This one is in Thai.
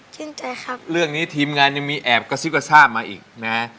ชื่นใจครับเรื่องนี้ทีมงานยังมีแอบกระซิบกระซาบมาอีกนะฮะ